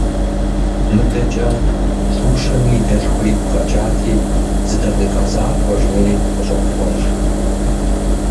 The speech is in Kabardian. Мыдэкӏэ Лушэми и дэлъхур игу къэкӏати, зы дакъикъэ закъуэкӏэ жери, къыщӏопхъуэж.